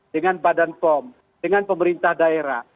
dengan badan pom dengan pemerintah daerah